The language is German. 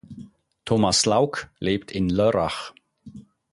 Thomas Lauck lebt in Lörrach.